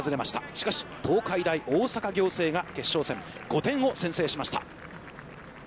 しかし、東海大大阪仰星が決勝戦、５点を先制しました。